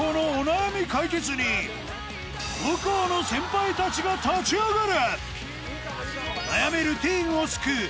母校の先輩たちが立ち上がる！